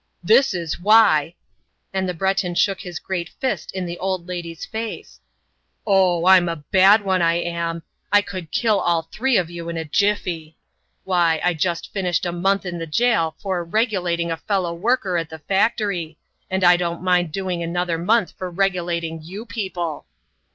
"This is why!" and the Breton shook his great fist in the old lady's face. "Oh, I'm a bad one I am! I could kill all three of you in a jiffy! Why, I just finished a month in the jail for 'regulating' a fellow worker at the factory, and I don't mind doing another month for regulating you people!"